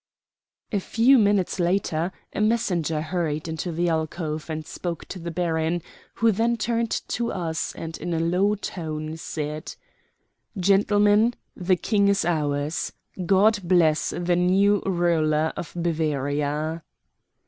A few minutes later a messenger hurried into the alcove and spoke to the baron, who then turned to us, and in a low tone said: "Gentlemen, the King is ours. God bless the new ruler of Bavaria."